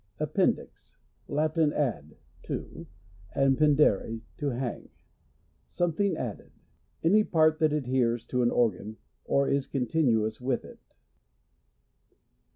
Appendix. — Lalin, ad, to, and pendere to hang ; something added. Any part that adheres to an organ, or is continuous with it.